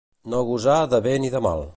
No gosar de bé ni de mal.